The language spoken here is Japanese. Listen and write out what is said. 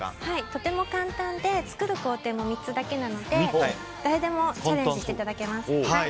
とても簡単で作る工程も３つだけなので誰でもチャレンジしていただけます。